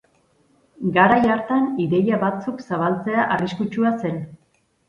Garai hartan ideia batzuk zabaltzea arriskutsua zen.